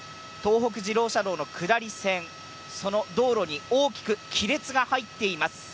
東北自動車道の下り線、その道路に大きく亀裂が入っています。